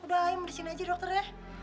udah ayo di sini aja dokter ya